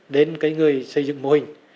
đến cái người xây dựng mô hình